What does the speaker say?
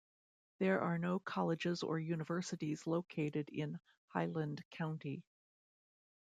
There are no colleges or universities located in Highland County.